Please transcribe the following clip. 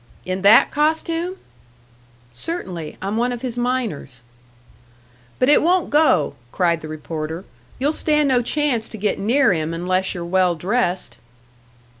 "In that costume?" "Certainly. I'm one of his miners." "But it won't go," cried the reporter. "You'll stand no chance to get near him unless you're well dressed."